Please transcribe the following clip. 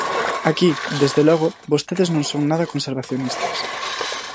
Aquí, desde logo, vostedes non son nada conservacionistas.